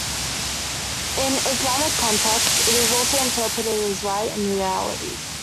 In Islamic contexts, it is also interpreted as right and reality.